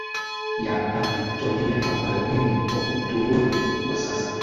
ya Anatolia ambayo wengi wa Uturuki wa sasa